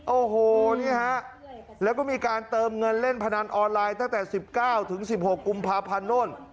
โอ้โหนี่ฮะแล้วก็มีการเติมเงินเล่นพนันออนไลน์ตั้งแต่๑๙ถึง๑๖กุมภาพันธ์โน่น